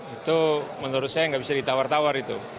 itu menurut saya nggak bisa ditawar tawar itu